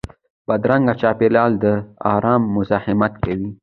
بدرنګه چاپېریال د ارام مزاحمت کوي